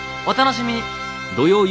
お楽しみに。